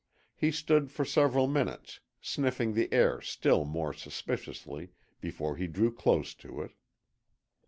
He stood for several minutes, sniffing the air still more suspiciously, before he drew close to it.